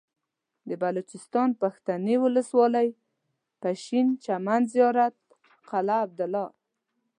د بلوچستان پښتنې ولسوالۍ پشين چمن زيارت قلعه عبدالله